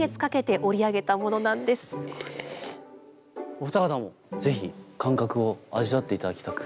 お二方もぜひ感覚を味わって頂きたく。